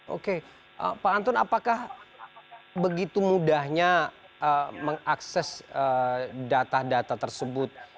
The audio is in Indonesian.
oke pak anton apakah begitu mudahnya mengakses data data tersebut